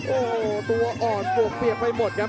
โอ้โหตัวอ่อนปวกเปียกไปหมดครับ